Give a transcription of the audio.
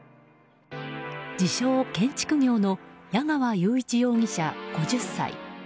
自称建設業の矢川雄一容疑者、５０歳。